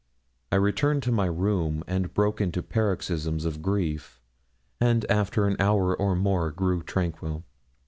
I returned to my room, and broke into paroxysms of grief, and after an hour or more grew more tranquil.